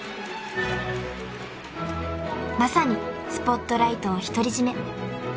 ［まさにスポットライトを独り占め］